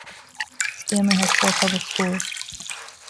Stanley has four public schools.